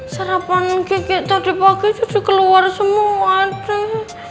serapan kiki tadi pagi jadi keluar semua deh